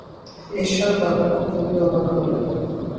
এষার বাবা-মা খুবই অবাক হলেন।